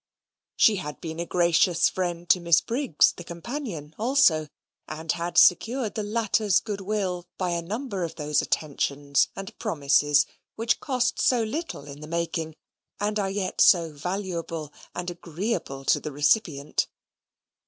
She had been a gracious friend to Miss Briggs, the companion, also; and had secured the latter's good will by a number of those attentions and promises, which cost so little in the making, and are yet so valuable and agreeable to the recipient.